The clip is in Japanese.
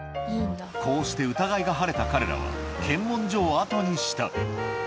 こうして疑いが晴れた彼らは、検問所を後にした。